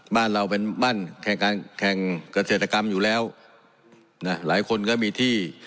บ้านเราเป็นบ้านแข่งการแข่งเกษตรกรรมอยู่แล้วนะหลายคนก็มีที่